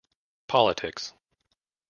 Politics.